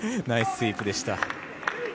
ナイススイープでした。